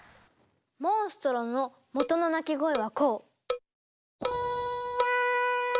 モンストロの元の鳴き声はこう。